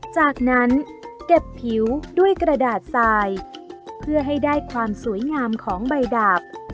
จากนั้นเก็บผิวด้วยกระดาษทรายเพื่อให้ได้ความสวยงามของใบดาบ